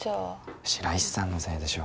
白石さんのせいでしょ。